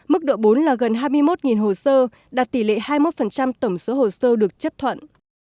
mức độ bốn là gần hai mươi một hồ sơ đạt tỷ lệ hai mươi một tổng số hồ sơ được chấp thuận